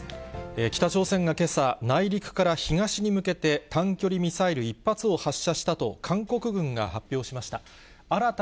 北朝鮮がけさ、内陸から東に向けて短距離ミサイル１発を発射したと韓国軍が発表しました。